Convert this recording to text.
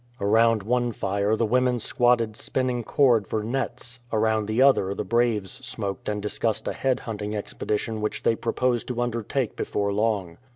Around one fire the women squatted spinning cord for nets, around the other the braves smoked and discussed a head hunting expedition which they proposed to undertake before long.